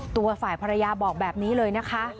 ตัวฝ่ายภรรยาบอกแบบนี้เลยนะคะ